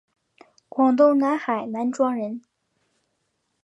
广东南海南庄人。